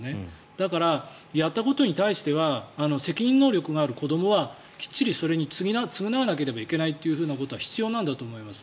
だから、やったことに対しては責任能力がある子どもはきっちりそれに償わなければいけないということは必要なんだと思います。